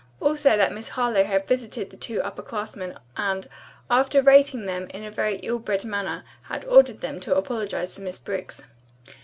Also that Miss Harlowe had visited the two upper classmen and, after rating them in a very ill bred manner, had ordered them to apologize to Miss Briggs."